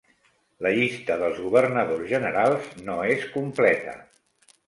La llista dels Governadors generals no és completa.